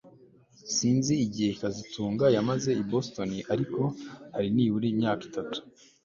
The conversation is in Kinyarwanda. Sinzi igihe kazitunga yamaze i Boston ariko hari nibura imyaka itatu